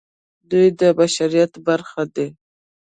دوی د بشریت برخه دي.